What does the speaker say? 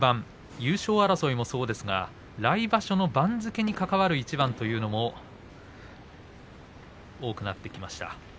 優勝争いもそうですが来場所の番付に関わる一番というのも多くなってきました。